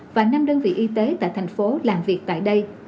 và năm đơn vị y tế tại thành phố làm việc tại đây